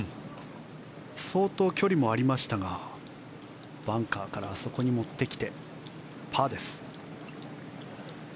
相当距離もありましたがバンカーからあそこに持ってきてパーです。